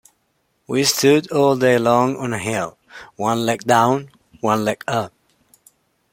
We stood all day long on a hill, one leg down, one leg up.